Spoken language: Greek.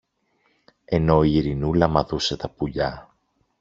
ενώ η Ειρηνούλα μαδούσε τα πουλιά.